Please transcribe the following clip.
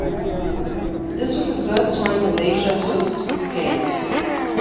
This was the first time Malaysia host the games.